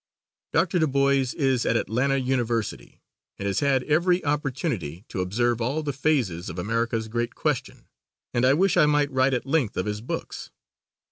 Dr. DuBois is at Atlanta University and has had every opportunity to observe all the phases of America's great question, and I wish I might write at length of his books.